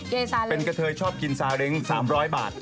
เกย์สาเล้งเป็นกระเทยชอบกินสาเล้ง๓๐๐บาท